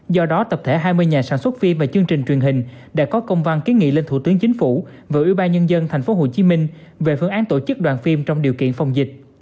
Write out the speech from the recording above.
do đó tập thể hai mươi nhà sản xuất phim và chương trình truyền hình đã có công văn kiến nghị lên thủ tướng chính phủ và ủy ban nhân dân thành phố hồ chí minh về phương án tổ chức đoàn phim trong điều kiện phòng dịch